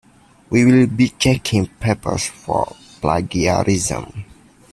We will be checking papers for plagiarism.